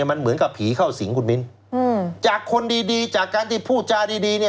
มันเหมือนกับผีเข้าสิงคุณมินจากคนดีจากการที่พูดจาดี